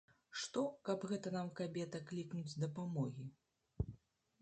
Што, каб гэта нам, кабета, клікнуць дапамогі.